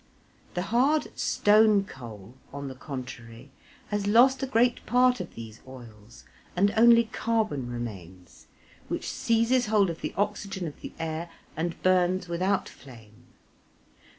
The hard stone coal, on the contrary, has lost a great part of these oils, and only carbon remains, which seizes hold of the oxygen of the air and burns without flame.